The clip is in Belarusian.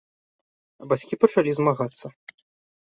А бацькі пачалі змагацца.